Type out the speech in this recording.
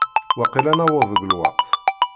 Waqil ad naweḍ deg lweqt.